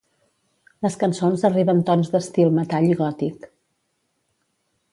Les cançons arriben tons d'estil metall i gòtic.